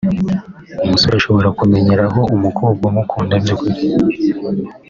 umusore ashobora kumenyeraho umukobwa umukunda by’ukuri